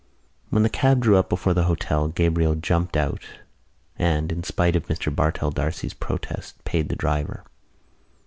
When the cab drew up before the hotel, Gabriel jumped out and, in spite of Mr Bartell D'Arcy's protest, paid the driver.